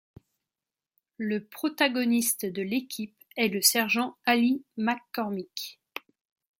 Le protagoniste de l'équipe est le sergent Ali McCormick.